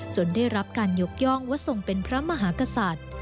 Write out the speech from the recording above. ได้รับการยกย่องว่าทรงเป็นพระมหากษัตริย์